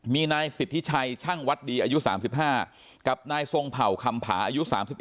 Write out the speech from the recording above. มีนายสิทธิชัยช่างวัดดีอายุ๓๕กับนายทรงเผ่าคำผาอายุ๓๑